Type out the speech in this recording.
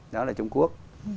đó là trung quốc